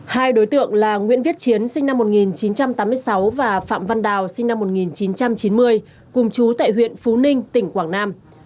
hai đối tượng là nguyễn viết chiến sinh năm một nghìn chín trăm tám mươi sáu và phạm văn đào sinh năm một nghìn chín trăm chín mươi cùng chú tại huyện phú ninh tỉnh quảng nam